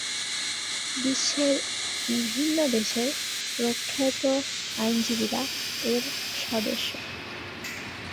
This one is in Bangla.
বিশ্বের বিভিন্ন দেশের প্রখ্যাত আইনজীবীরা এর সদস্য।